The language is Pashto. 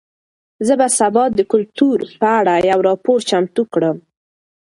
زه به سبا د کلتور په اړه یو راپور چمتو کړم.